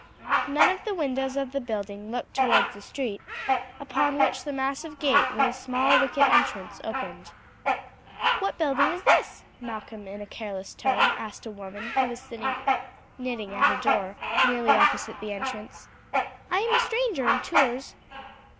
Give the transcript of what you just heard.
None of the windows of the building looked towards the street, upon which the massive gate, with a small wicket entrance, opened. "What building is this?" Malcolm, in a careless tone, asked a woman who was sitting knitting at her door nearly opposite the entrance. "I am a stranger in Tours."